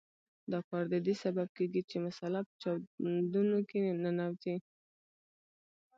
دا کار د دې سبب کیږي چې مساله په چاودونو کې ننوځي.